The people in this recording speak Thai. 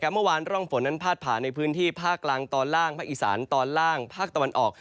เมื่อวานร่องฝนนั้นพาดผ่านในพื้นที่ภาคกลางตอนล่างภาคอีสานตอนล่างภาคตะวันออก